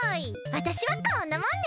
わたしはこんなもんね。